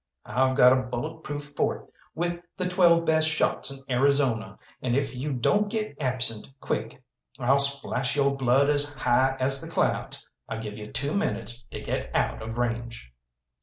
I've got a bullet proof fort with the twelve best shots in Arizona, and if you don't get absent quick I'll splash yo' blood as high as the clouds. I give you two minutes to get out of range."